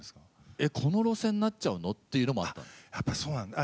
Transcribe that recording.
「えっこの路線になっちゃうの？」っていうのもあったんですよ。